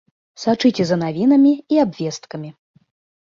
Сачыце за навінамі і абвесткамі!